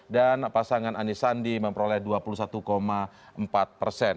dan pasangan anisandi memperoleh dua puluh satu empat persen